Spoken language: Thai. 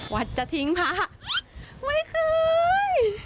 วัดจะทิ้งพระไม่เคย